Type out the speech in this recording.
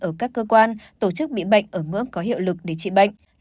ở các cơ quan tổ chức bị bệnh ở ngưỡng có hiệu lực để trị bệnh